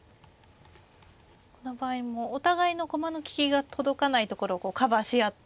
この場合もお互いの駒の利きが届かないところをカバーし合って。